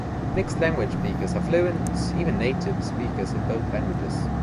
Mixed language speakers are fluent, even native, speakers of both languages.